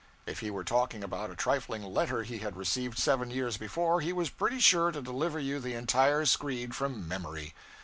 If he were talking about a trifling letter he had received seven years before, he was pretty sure to deliver you the entire screed from memory.